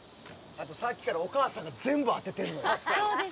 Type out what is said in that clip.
さっきからお母さんが全部当ててるのよ。